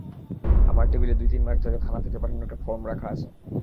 আমার টেবিলে দুই-তিন মাস ধরে থানা থেকে পাঠানো একটা ফরম রাখা আছে।